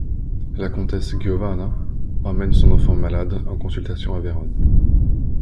La comtesse Giovanna emmène son enfant malade en consultation à Vérone.